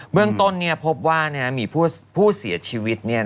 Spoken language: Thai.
เมืองต้นพบว่ามีผู้เสียชีวิต